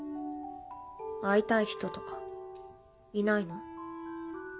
会いたい人とかいないの？